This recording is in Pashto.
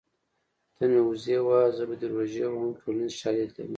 ته مې وزې وهه زه به دې روژې وهم ټولنیز شالید لري